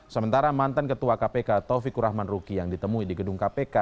sementara mantan ketua kpk taufikur rahman ruki yang ditemui di gedung kpk